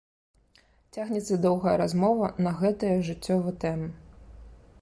Цягнецца доўгая размова на гэтыя жыццёвы тэмы.